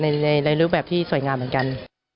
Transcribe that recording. ในรูปแบบที่สวยงามเหมือนกัน